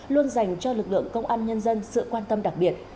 luôn dành cho lực lượng công an nhân dân sự quan tâm đặc biệt